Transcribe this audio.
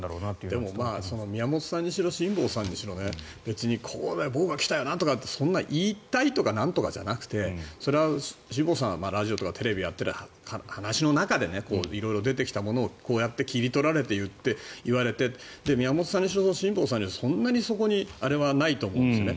でも宮本さんにしろ辛坊さんにしろ別に僕が来たよなんとかってそんな言いたいとかなんとかじゃなくてそれは辛坊さんはラジオとかテレビでやっている話の中で色々出てきたものをこうやって切り取られて言われて宮本さんにしろ辛坊さんにしろそんなに、そこにあれはないと思うんですね。